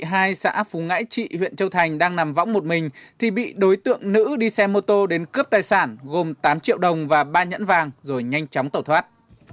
tại xã phú ngãi trị huyện châu thành đang nằm võng một mình thì bị đối tượng nữ đi xe mô tô đến cướp tài sản gồm tám triệu đồng và ba nhẫn vàng rồi nhanh chóng tẩu thoát